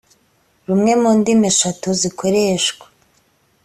rumwe mu ndimi eshatu zikoreshwa